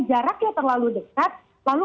jaraknya terlalu dekat lalu